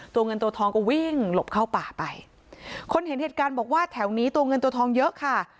เงินตัวทองก็วิ่งหลบเข้าป่าไปคนเห็นเหตุการณ์บอกว่าแถวนี้ตัวเงินตัวทองเยอะค่ะ